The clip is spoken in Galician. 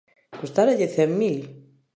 Custáralle cen mil.